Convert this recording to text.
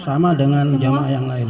sama dengan jamaah yang lain